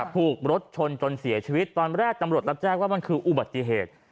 ถูกรถชนจนเสียชีวิตตอนแรกตำรวจรับแจ้งว่ามันคืออุบัติเหตุ